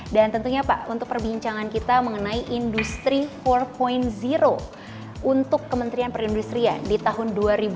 dan tentunya pak untuk perbincangan kita mengenai industri empat untuk kementerian perindustrian di tahun dua ribu dua puluh